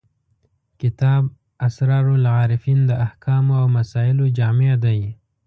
کتاب اسرار العارفین د احکامو او مسایلو جامع دی.